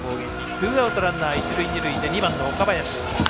ツーアウト、ランナー、一塁二塁２番の岡林。